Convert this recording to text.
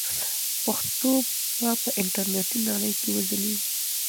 پښتو به په انټرنیټي نړۍ کې وځلیږي.